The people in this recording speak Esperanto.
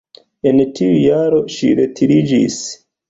En tiu jaro ŝi retiriĝis.